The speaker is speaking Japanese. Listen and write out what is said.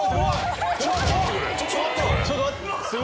ちょっと待ってくれ。